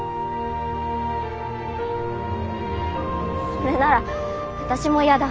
それならあたしも嫌だ。